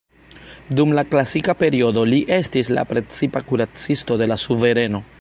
Dum la klasika periodo li estis la precipa kuracisto de la suvereno.